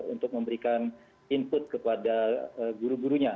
untuk memberikan input kepada guru gurunya